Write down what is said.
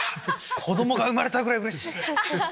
子供が生まれたぐらいうれしい！